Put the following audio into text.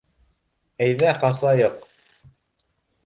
— Әйҙә ҡасайыҡ.